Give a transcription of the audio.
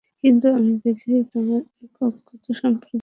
কিন্তু আমি দেখছি, তোমরা এক অজ্ঞ সম্প্রদায়।